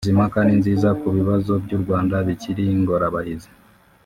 Izi mpaka ni nziza ku bibazo by’u Rwanda bikiri ingorabahizi